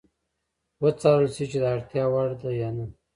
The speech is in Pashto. وڅارل شي چې د اړتیا وړ ده یا نه.